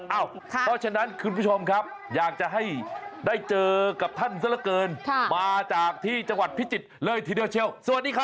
เพราะฉะนั้นคุณผู้ชมครับอยากจะให้ได้เจอกับท่านซะละเกินมาจากที่จังหวัดพิจิตรเลยทีเดียวเชียวสวัสดีครับ